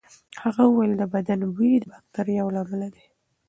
هغه وویل د بدن بوی د باکتریاوو له امله دی.